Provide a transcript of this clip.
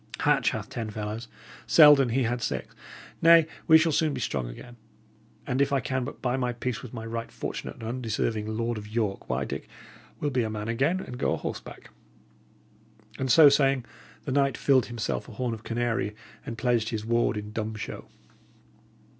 Hatch hath ten fellows; Selden, he had six. Nay, we shall soon be strong again; and if I can but buy my peace with my right fortunate and undeserving Lord of York, why, Dick, we'll be a man again and go a horseback!" And so saying, the knight filled himself a horn of canary, and pledged his ward in dumb show.